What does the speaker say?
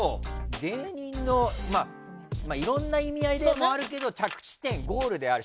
芸人のいろんな意味合いでもあるけど着地点、ゴールである。